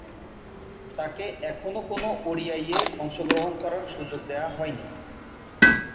তাকে এখনো কোন ওডিআইয়ে অংশগ্রহণ করার সুযোগ দেয়া হয়নি।